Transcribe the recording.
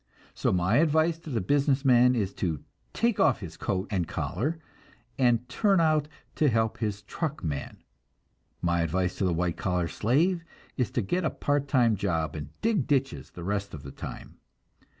So my advice to the business man is to take off his coat and collar and turn out and help his truck man; my advice to the white collar slave is to get a part time job, and dig ditches the rest of the time.